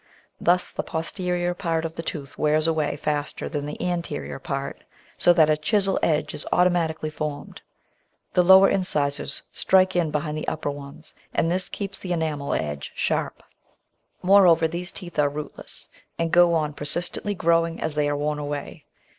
Thus the posterior part of the tooth wears away faster than the anterior part, so that a chisel edge is automatically Natural History 471 formed. The lower incisors strike in behind the upper ones, and this keeps the enamel edge sharp. Moreover, these teeth are "rootless," and go on persistently growing as they are worn away.